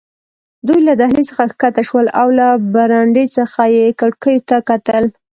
دوی له دهلېز څخه کښته شول او له برنډې څخه یې کړکیو ته کتل.